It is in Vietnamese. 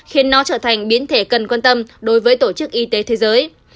khiến nó trở thành biến thể cần quan tâm đối với tổ chức y tế thế giới